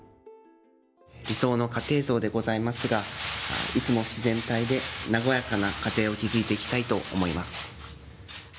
理想の家庭像でございますが、いつも自然体で和やかな家庭を築いていきたいと思います。